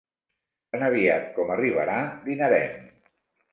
Tan aviat com arribarà dinarem.